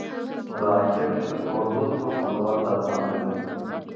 راکټ د ستورمزلو خوندور داستان لري